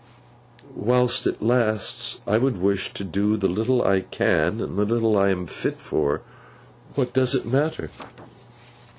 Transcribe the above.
'While it lasts, I would wish to do the little I can, and the little I am fit for. What does it matter?